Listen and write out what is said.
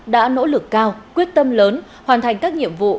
đã nỗ lực cao quyết tâm lớn hoàn thành các nhiệm vụ